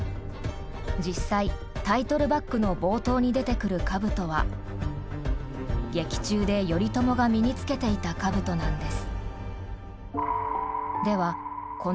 実際タイトルバックの冒頭に出てくる兜は劇中で頼朝が身につけていた兜なんです。